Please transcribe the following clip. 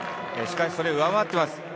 しかしそれを上回っています。